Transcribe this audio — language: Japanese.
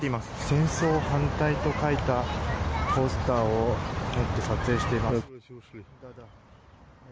戦争反対と書いたポスターを持って撮影しています。